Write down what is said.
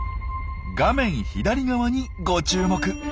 画面左側にご注目。